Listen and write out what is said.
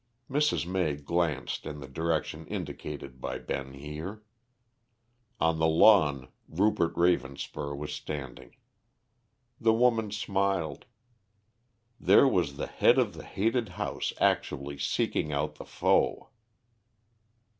Mrs. May glanced in the direction indicated by Ben Heer. On the lawn Rupert Ravenspur was standing. The woman smiled. There was the head of the hated house actually seeking out the foe.